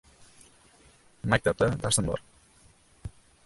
— Maktabda darsim bor.